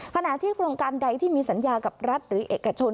ขณะที่โครงการใดที่มีสัญญากับรัฐหรือเอกชน